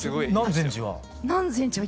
南禅寺は？